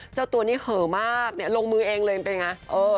เจ้าตัวนี้เหมาะในลงมือเองเลยเป็นอย่างไร